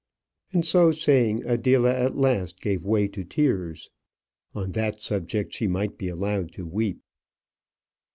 And, so saying, Adela at last gave way to tears. On that subject she might be allowed to weep.